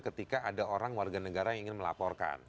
ketika ada orang warga negara yang ingin melaporkan